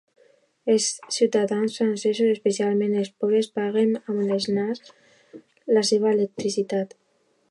Els ciutadans francesos, especialment els pobres, paguen amb el nas la seva electricitat.